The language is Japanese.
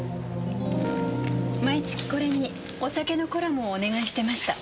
毎月これにお酒のコラムをお願いしてました。